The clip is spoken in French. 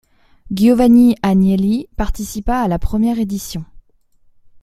Giovanni Agnelli participa à la première édition.